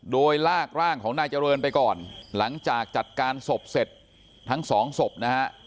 โดยลากร่างของนายเจริญไปก่อนหลังจากจัดการศพเสร็จทั้งสองศพนะฮะ